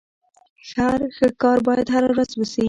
هر ښه کار بايد هره ورځ وسي.